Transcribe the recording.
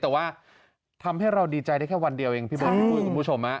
แต่ว่าทำให้เราดีใจได้แค่วันเดียวเองพี่เบิร์พี่ปุ้ยคุณผู้ชม